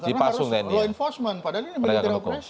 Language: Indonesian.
dipasung tni karena harus law enforcement padahal ini military operation